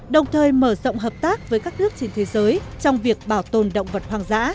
đồng thời mở rộng hợp tác với các nước trên thế giới trong việc bảo tồn động vật hoang dã